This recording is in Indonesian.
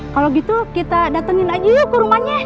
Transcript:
kalau gitu kita datengin lagi yuk ke rumahnya